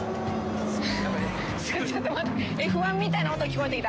・ちょっと待って。